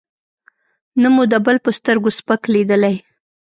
نه مو د بل په سترګو سپک لېدلی.